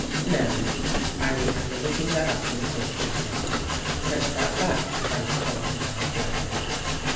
"No, I remember looking that up when he first came down. Sent that back, if I recall the matter correctly."